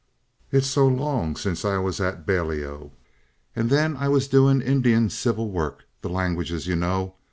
"It's so long since I was at Balliol, and then I was doing Indian Civil work the languages, you know.